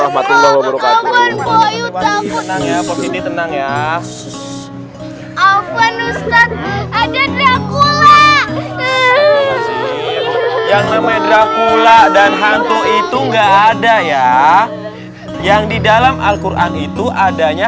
ada dracula yang nama dracula dan hantu itu enggak ada ya yang di dalam alquran itu adanya